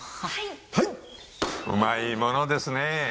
うまいものですね。